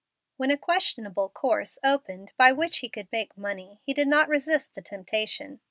When a questionable course opened by which he could make money, he could not resist the temptation.